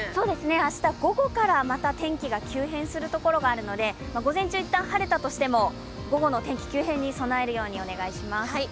明日午後から、また天気が急変するところがあるので、午前中、いったん晴れたとしても、午後の天気急変に備えるようにしてください。